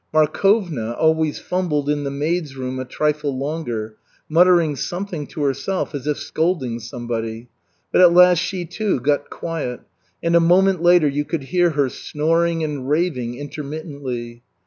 Markovna always fumbled in the maids' room a trifle longer, muttering something to herself as if scolding somebody. But at last she, too, got quiet, and a moment later you could hear her snoring and raving intermittently.